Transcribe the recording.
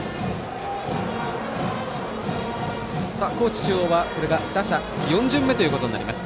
高知中央は、これが打者４巡目ということになります。